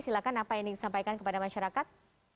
silakan apa yang ingin disampaikan kepada masyarakat